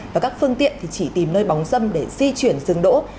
và các phương tiện thì chỉ tìm nơi bóng dâm để di chuyển dừng đỗ